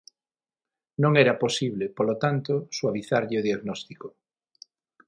Non era posible, polo tanto, suavizarlle o diagnóstico.